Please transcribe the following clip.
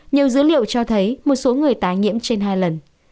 nhiều dữ liệu cho thấy một số người tái nhiễm trên hai lần